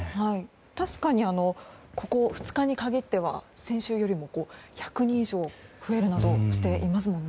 確かにここ２日に限っては先週よりも１００人以上増えるなどしていますもんね。